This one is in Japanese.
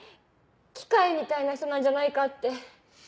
機械みたいな人なんじゃないかって。